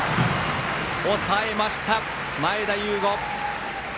抑えました、前田悠伍。